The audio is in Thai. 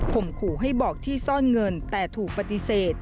ขู่ให้บอกที่ซ่อนเงินแต่ถูกปฏิเสธ